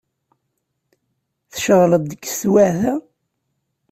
Tceɣleḍ deg teswiɛt-a?